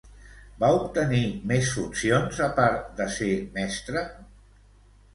Va obtenir més funcions a part de ser mestra?